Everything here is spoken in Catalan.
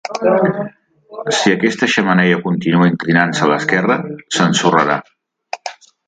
Si aquesta xemeneia continua inclinant-se a l'esquerra, s'ensorrarà.